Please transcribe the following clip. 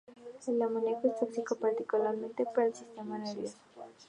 El amoníaco es tóxico, particularmente para el sistema nervioso.